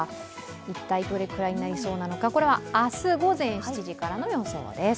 一体、どれくらいになりそうなのかこれは明日午前７時からの予想です